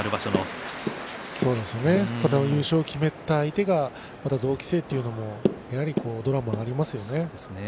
優勝を決めた相手が同期生というのもドラマがありますね。